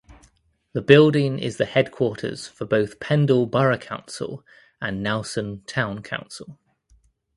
The building is the headquarters for both Pendle Borough Council and Nelson Town Council.